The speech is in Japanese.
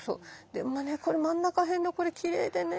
でもねこの真ん中辺のこれきれいでね。